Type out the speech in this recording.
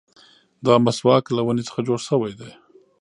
دا مسواک له ونې څخه جوړ شوی دی.